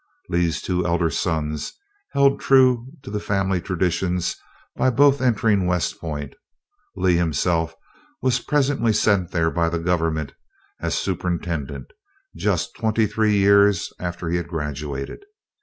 Lee's two elder sons held true to the family traditions by both entering West Point. Lee himself was presently sent there by the government as Superintendent just twenty three years after he had graduated.